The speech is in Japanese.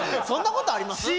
そんなことあります？